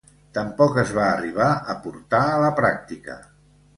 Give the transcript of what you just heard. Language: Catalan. Tampoc es va arribar a portar a la pràctica.